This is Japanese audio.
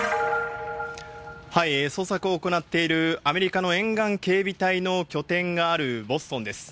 捜索を行っているアメリカの沿岸警備隊の拠点があるボストンです。